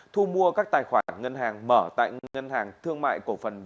thu mua các tài khoản ngân hàng mở tại ngân hàng thương mại cổ phần việt nam